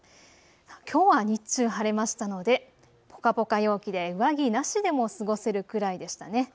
きょうは日中、晴れましたのでぽかぽか陽気で上着なしでも過ごすせるくらいでしたね。